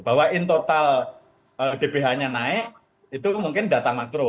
bahwa in total dbh nya naik itu mungkin data makro